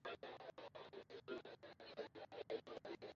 Alichomoza kwenye baraza la Mawaziri la Jamhuri ya Muungano wa Tanzania